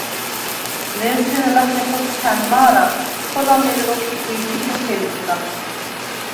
ლერთენ ლახე ხოქვთა̈ნ მა̄რა, ხოლა მირ როქვ იკვიჰი სოფელისგა.